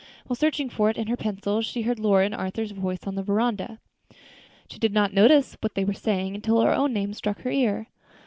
While searching for it and her pencil, she heard Lora's and Arthur's voices on the veranda. She did not notice what they were saying, until her own name struck her ear.